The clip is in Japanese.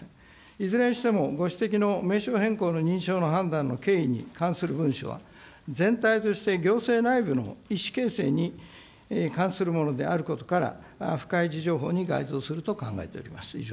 いずれにしても、ご指摘の名称変更の認証の判断の経緯に関する文書は、全体として行政内部の意思形成に関するものであることから、に該当するものと考えております。